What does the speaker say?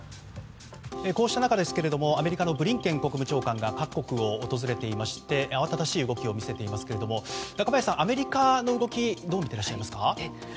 こうした中アメリカのブリンケン国務長官が各国を訪れていまして慌ただしい動きを見せていますけれども中林さん、アメリカの動きどう見ていますか。